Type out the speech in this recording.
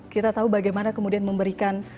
kita tahu bagaimana kemudian memberikan